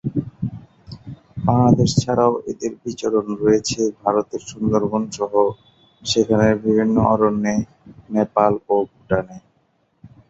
বাংলাদেশ ছাড়াও এদের বিচরণ রয়েছে ভারতের সুন্দরবন সহ সেখানের বিভিন্ন অরণ্যে, নেপাল ও ভুটানে।